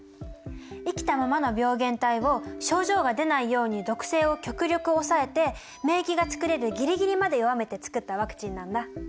生きたままの病原体を症状が出ないように毒性を極力抑えて免疫がつくれるギリギリまで弱めてつくったワクチンなんだ。